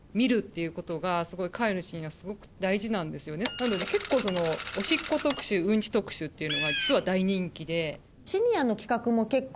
なので結構おしっこ特集うんち特集っていうのが実は大人気で。